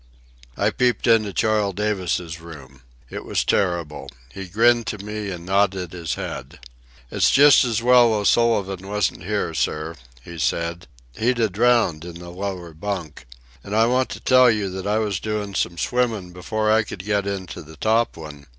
I peeped into Charles Davis's room. It was terrible. He grinned to me and nodded his head. "It's just as well O'Sullivan wasn't here, sir," he said. "He'd a drowned in the lower bunk. And I want to tell you I was doing some swimmin' before I could get into the top one.